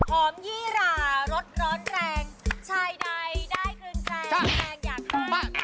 หอมยี่หลารสร้อนแรงชายใดได้คืนแรงแรงอยากได้ขอบคุณค่ะ